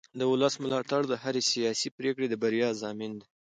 د ولس ملاتړ د هرې سیاسي پرېکړې د بریا ضامن دی